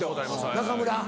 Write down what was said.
中村。